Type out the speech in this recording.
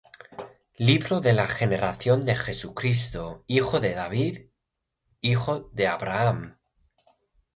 Libro de la generación de Jesucristo, hijo de David, hijo de Abraham.